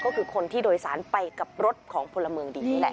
ก็คือคนที่โดยสารไปกับรถของพลเมืองดีนี่แหละ